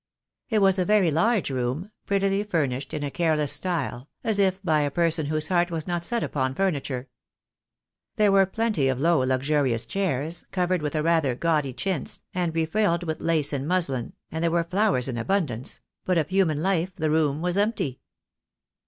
It was a very large room, prettily furnished in a care less style, as if by a person whose heart was not set upon furniture. There were plenty of low luxurious chairs, covered with a rather gaudy chintz, and befrilled with IO THE DAY WILL COME. lace and muslin, and there were flowers in abundance; but of human life the room was empty.